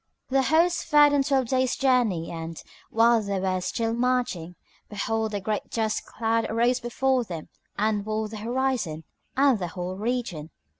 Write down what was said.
The host fared on twelve days' journey and, while they were still marching, behold, a great dust cloud arose before them and walled the horizon and the whole region.